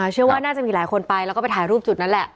เชื่อว่าน่าจะมีหลายคนไปแล้วก็ไปถ่ายรูปจุดนั้นแหละ